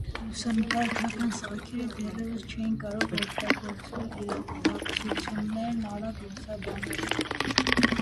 Լուսանկարչական սարքերը դեռևս չէին կարող օգտագործվել իրադարձություններն արագ լուսաբանելու համար։